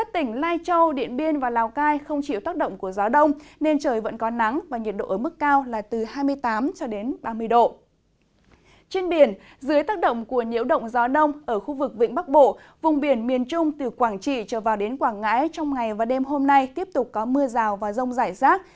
trên biển dưới tác động của nhiễu động gió đông ở khu vực vĩnh bắc bộ vùng biển miền trung từ quảng trị trở vào đến quảng ngãi trong ngày và đêm hôm nay tiếp tục có mưa rào và rông rải rác